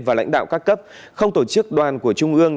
và lãnh đạo các cấp không tổ chức đoàn của trung ương